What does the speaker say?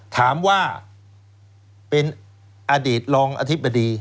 ถามว่าเป็นอดีตรองอธิบดี